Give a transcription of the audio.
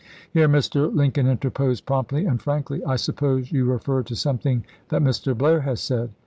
Here Mr. Lincoln interposed promptly and frankly :" I suppose you refer to something that Mr. Blair has said.